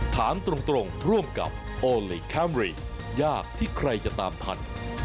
ถามตรงร่วมกับโอลี่คัมรี่ยากที่ใครจะตามทัน